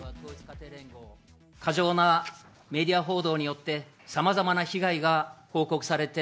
過剰なメディア報道によって、さまざまな被害が報告されて。